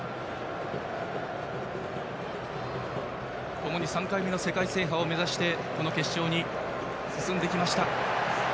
ともに３回目の世界制覇を目指してこの決勝に進んできました。